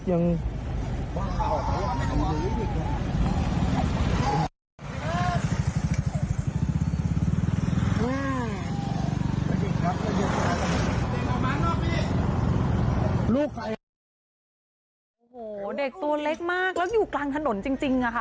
โหยังก็เล็กมากแล้วอยู่กลางถนนจริง